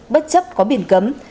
bất chấp có biển cấm